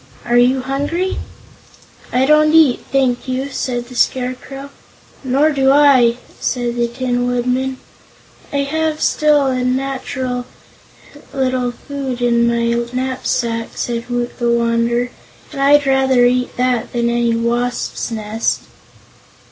Are you hungry?" "I don't eat, thank you," said the Scarecrow. "Nor do I," said the Tin Woodman. "I have still a little natural food in my knapsack," said Woot the Wanderer, "and I'd rather eat that than any wasp's nest."